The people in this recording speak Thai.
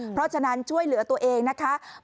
เพราะฉะนั้นช่วยเหลือตัวเองนะคะ